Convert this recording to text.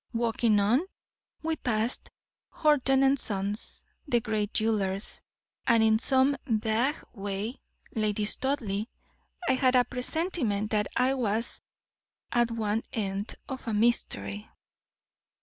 Walking on, we passed Horton & Sons, the great jewelers, and, in some vague way, Lady Studleigh, I had a presentiment that I was at one end of a mystery."